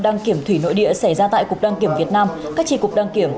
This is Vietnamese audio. đăng kiểm thủy nội địa xảy ra tại cục đăng kiểm việt nam cách trì cục đăng kiểm